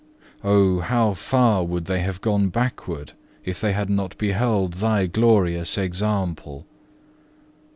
Oh, how far would they have gone backward if they had not beheld Thy glorious example!